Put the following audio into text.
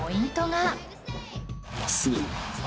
真っすぐ